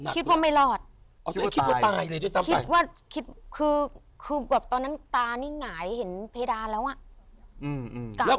คิดว่าไม่รอดอ๋อตัวเองคิดว่าตายเลยด้วยซ้ำคิดว่าคิดคือคือแบบตอนนั้นตานี่หงายเห็นเพดานแล้วอ่ะ